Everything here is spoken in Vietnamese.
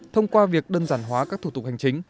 thông qua việc đơn giản hóa các thủ tục hành chính